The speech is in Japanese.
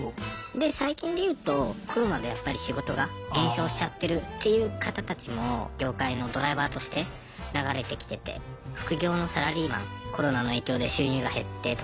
で最近で言うとコロナでやっぱり仕事が減少しちゃってるっていう方たちも業界のドライバーとして流れてきてて副業のサラリーマンコロナの影響で収入が減ってとかは結構いますね。